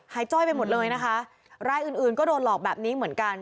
จ้อยไปหมดเลยนะคะรายอื่นอื่นก็โดนหลอกแบบนี้เหมือนกัน